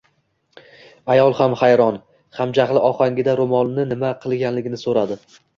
Ayol ham hayron, ham jahl ohangida ro`molni nima qilganligini so`radi